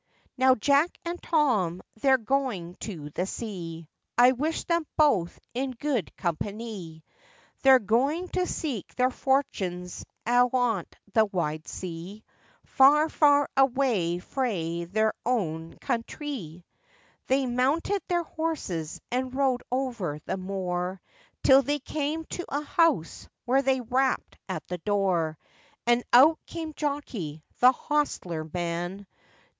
Now, Jack and Tom, they're going to the sea; I wish them both in good companie! They're going to seek their fortunes ayont the wide sea, Far, far away frae their oan countrie! They mounted their horses, and rode over the moor, Till they came to a house, when they rapped at the door; And out came Jockey, the hostler man.